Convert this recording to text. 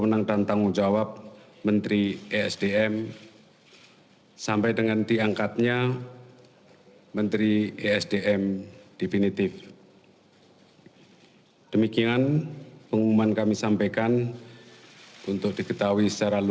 bapak prasetyo mau bertanya dari perbagaian pernyataan ini dihubungkan dengan kelepasan hukum